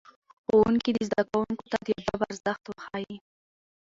ښوونکي دي زدهکوونکو ته د ادب ارزښت وښيي.